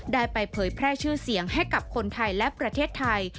ได้ไปเผยแพร่ชื่อเสียงให้กับคนไทยและประเทศไทย